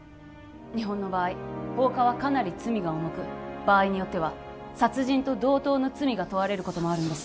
日本の場合放火はかなり罪が重く場合によっては殺人と同等の罪が問われることもあるんです